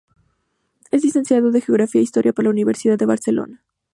Es licenciado en Geografía e Historia por la Universidad de Barcelona.